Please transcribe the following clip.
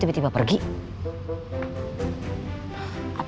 wah ini cuman jak trilas